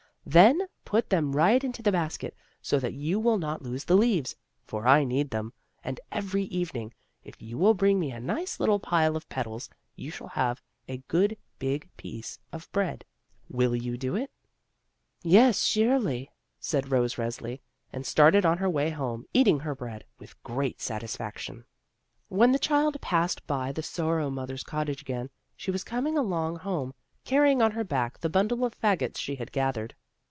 Then put them right into the basket, so that you will not lose the leaves; for I need them, and every evening, if you will bring me a nice little pile of petals, you shall have a good big piece of bread. Will you do it?" 16 THE ROSE CHILD "Yes, surely," said Rose Resli, and started on her way home, eating her bread, with great sat isfaction. When the child passed by the Sorrow mother's cottage again, she was coming along home, car rying on her back the bimdle of fagots she had gathered.